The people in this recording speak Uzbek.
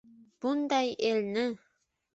Bunday elni